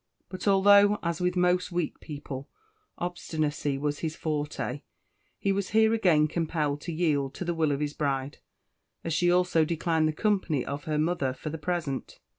But although, as with most weak people, obstinacy was his forte, he was here again compelled to yield to the will of his bride, as she also declined the company of her mother for the present.